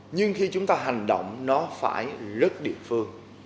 nhưng khi chúng ta hành động nó phải rất địa phương